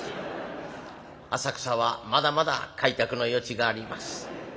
浅草はまだまだ開拓の余地があります。